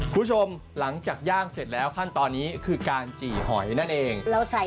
คุณผู้ชมหลังจากย่างเสร็จแล้วขั้นตอนนี้คือการจี่หอยนั่นเอง